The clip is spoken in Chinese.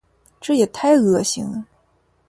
这也太恶心了。